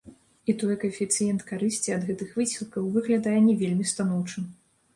І тое каэфіцыент карысці ад гэтых высілкаў выглядае не вельмі станоўчым.